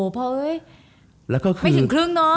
ไม่ถึงครึ่งเนาะ